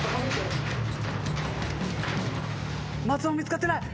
松尾見つかってない。